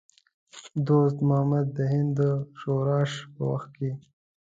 دوست محمد د هند د شورش په وخت کې.